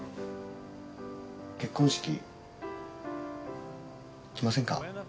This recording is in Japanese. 結婚式来ませんか？